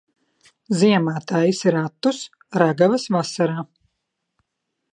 Ziemā taisi ratus, ragavas vasarā.